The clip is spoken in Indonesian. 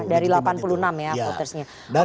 dari delapan puluh enam ya votersnya